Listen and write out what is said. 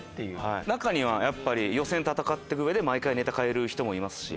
中には予選戦ってく上で毎回ネタ変えて人もいますし。